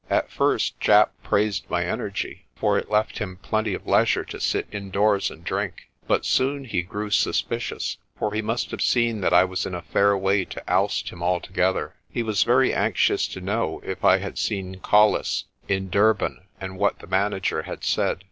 At first Japp praised my energy, for it left him plenty of leisure to sit indoors and drink. But soon he grew suspi cious, for he must have seen that I was in a fair way to oust him altogether. He was very anxious to know if I had seen Colles in Durban, and what the manager^had said.